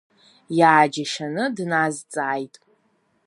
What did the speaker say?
Иааџьашьаны дназҵааит.